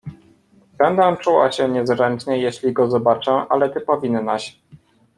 "Będę czuła się niezręcznie, jeśli go zobaczę, ale ty powinnaś."